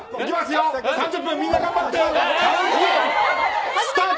３０分、みんな頑張ってスタート！